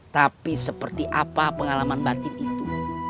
tapi seperti apa pengalaman batin itu